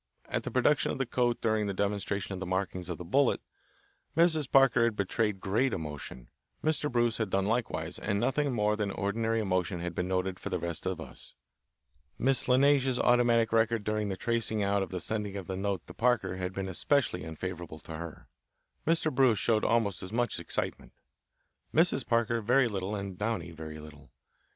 At the production of the coat during the demonstration of the markings of the bullet, Mrs. Parker had betrayed great emotion, Mr. Bruce had done likewise, and nothing more than ordinary emotion had been noted for the rest of us. Miss La Neige's automatic record during the tracing out of the sending of the note to Parker had been especially unfavourable to her; Mr. Bruce showed almost as much excitement; Mrs. Parker very little and Downey very little.